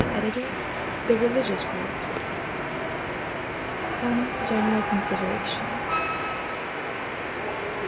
D., Editor. THE RELIGIOUS WARS. Some General Considerations.